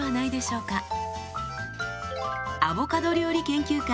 アボカド料理研究家